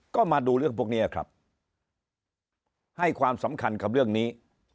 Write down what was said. ก็มาดูเรื่องพวกนี้ครับให้ความสำคัญกับเรื่องนี้